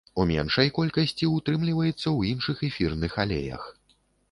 У меншай колькасці ўтрымліваецца ў іншых эфірных алеях.